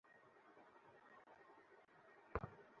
নাজমার তলপেটে গুলি লেগে শিশুকে ভেদ করে নাজমার মাংসপেশিতে আটকে ছিল।